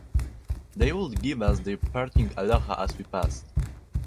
They would give us their parting aloha as we passed.